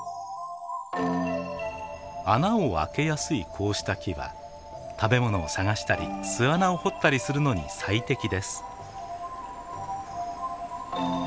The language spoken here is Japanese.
穴を開けやすいこうした木は食べ物を探したり巣穴を掘ったりするのに最適です。